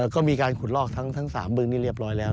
ก็มีการขุดลอกทั้ง๓บึงนี่เรียบร้อยแล้ว